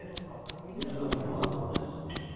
口どけも悪くはないですね。